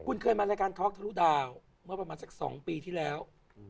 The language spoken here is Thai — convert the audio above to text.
คุณเคยมารายการท็อกทะลุดาวเมื่อประมาณสัก๒ปีที่แล้ว